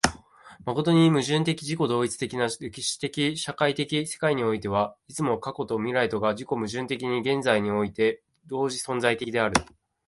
真に矛盾的自己同一的な歴史的社会的世界においては、いつも過去と未来とが自己矛盾的に現在において同時存在的である。